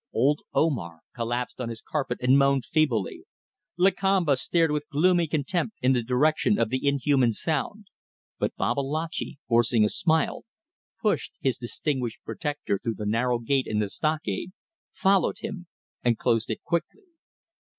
Old Omar collapsed on his carpet and moaned feebly; Lakamba stared with gloomy contempt in the direction of the inhuman sound; but Babalatchi, forcing a smile, pushed his distinguished protector through the narrow gate in the stockade, followed him, and closed it quickly.